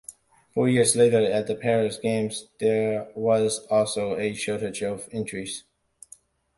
Four years later, at the Paris Games, there was also a shortage of entries.